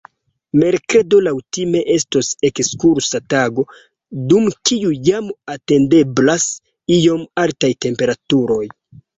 Merkredo laŭkutime estos ekskursa tago, dum kiu jam atendeblas iom altaj temperaturoj.